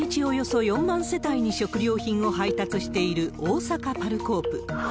およそ４万世帯に食料品を配達しているおおさかパルコープ。